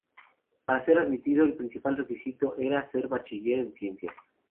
Para ser admitido el principal requisito era ser bachiller en ciencias.